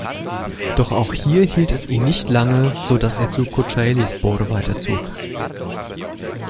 Doch auch hier hielt es ihn nicht lange, sodass er zu Kocaelispor weiterzog.